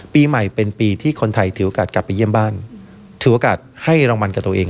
ปีใหม่เป็นปีที่คนไทยถือโอกาสกลับไปเยี่ยมบ้านถือโอกาสให้รางวัลกับตัวเอง